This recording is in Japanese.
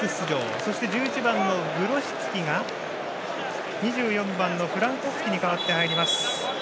そして、１１番のグロシツキが２４番のフランコフスキに代わって入ります。